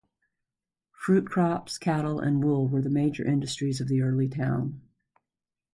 Fruit crops, cattle, and wool were the major industries of the early town.